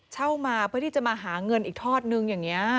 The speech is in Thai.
เช่ามาเพื่อที่จะมาหาเงินอีกทอดนึงอย่างนี้